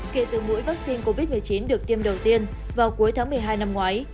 kể từ mũi vaccine covid một mươi chín được tiêm đầu tiên vào cuối tháng một mươi hai năm ngoái